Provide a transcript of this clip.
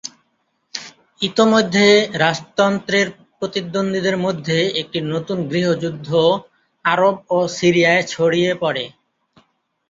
ইতোমধ্যে, রাজতন্ত্রের প্রতিদ্বন্দ্বীদের মধ্যে একটি নতুন গৃহযুদ্ধ আরব এবং সিরিয়ায় ছড়িয়ে পড়ে।